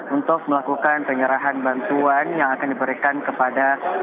untuk melakukan penyerahan bantuan yang akan diberikan kepada